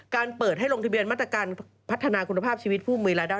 เปิดให้ลงทะเบียนมาตรการพัฒนาคุณภาพชีวิตผู้มีรายได้